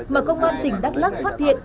mà công an tỉnh đắk lắc phát hiện